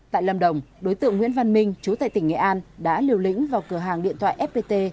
tại lâm đồng đối tượng nguyễn văn minh chú tại tỉnh nghệ an đã liều lĩnh vào cửa hàng điện thoại fpt